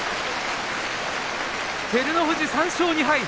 照ノ富士３勝２敗。